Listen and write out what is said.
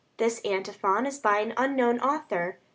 This antiphon is by an unknown author.